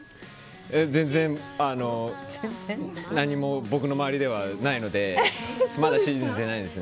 全然何も僕の周りではないのでまだ信じてないです。